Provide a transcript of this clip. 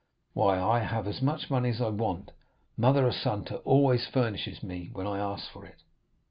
Why, I have as much money as I want; mother Assunta always furnishes me when I ask for it!